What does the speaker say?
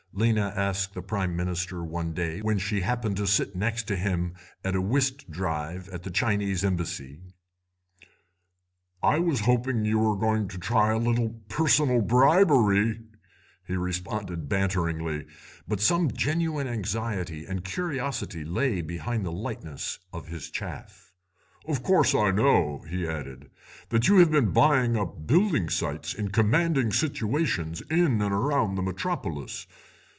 Lena asked the Prime Minister one day when she happened to sit next to him at a whist drive at the Chinese Embassy. "'I was hoping you were going to try a little personal bribery,' he responded banteringly, but some genuine anxiety and curiosity lay behind the lightness of his chaff; 'of course I know,' he added, 'that you have been buying up building sites in commanding situations in and around the Metropolis.